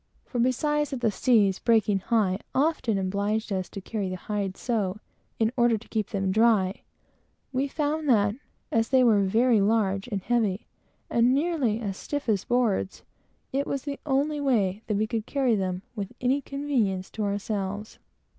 For besides that the seas, breaking high, often obliged us to carry the hides so, in order to keep them dry, we found that, as they were very large and heavy, and nearly as stiff as boards, it was the only way that we could carry them with any convenience to ourselves.